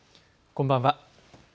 こんばんは。